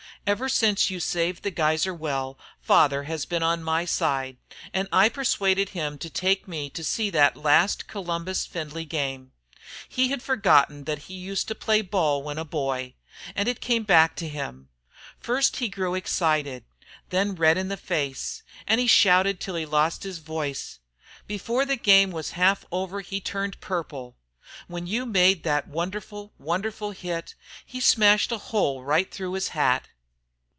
Ever since you saved the Geyser well father has been on my side, and I persuaded him to take me to see that last Columbus Findlay game. "He had forgotten he used to play ball when a boy, and it came back to him. First he grew excited, then red in the face, and he shouted till he lost his voice. Before the game was half over he turned purple. When you made that wonderful, wonderful hit he smashed a hole right through his hat."